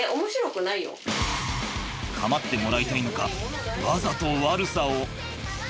構ってもらいたいのかわざと悪さを。